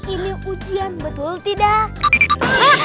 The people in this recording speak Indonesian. ini ujian betul tidak